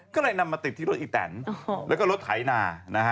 ก็เลยนำมาติดที่รถอีแตนแล้วก็รถไถนานะฮะ